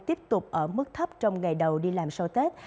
tiếp tục ở mức thấp trong ngày đầu đi làm sau tết